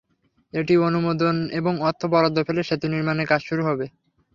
এটি অনুমোদন এবং অর্থ বরাদ্দ পেলে সেতু নির্মাণের কাজ শুরু হবে।